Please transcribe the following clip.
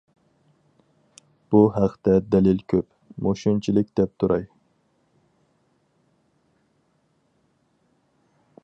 بۇ ھەقتە دەلىل كۆپ، مۇشۇنچىلىك دەپ تۇراي.